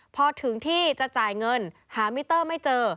พอถึงที่จะจ่ายเงินหามิเตอร์ไม่เจอ